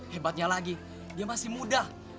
hebatnya lagi dia masih muda